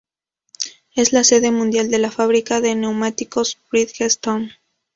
Es la sede mundial de la fábrica de neumáticos Bridgestone.